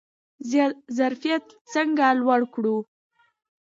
ظرفیت څنګه لوړ کړو؟